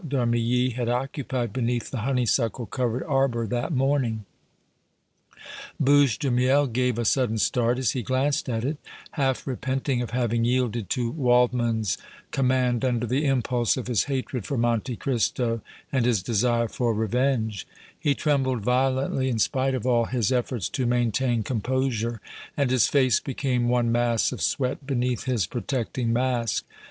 d' Armilly had occupied beneath the honey suckle covered arbor that morning; Bouche de Miel gave a sudden start as he glanced at it, half repenting of having yielded to Waldmann's command under the impulse of his hatred for Monte Cristo and his desire for revenge; he trembled violently in spite of all his efforts to maintain composure and his face became one mass of sweat beneath his protecting mask.